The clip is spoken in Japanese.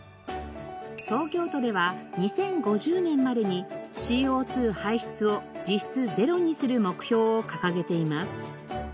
東京都では２０５０年までにＣＯ２排出を実質ゼロにする目標を掲げています。